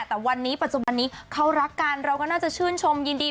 แต่วันนี้ปัจจุบันนี้เขารักกันเราก็น่าจะชื่นชมยินดี